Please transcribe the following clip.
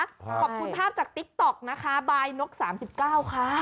ใช่ขอบคุณภาพจากติ๊กต๊อกนะคะบายนกสามสิบเก้าค่ะ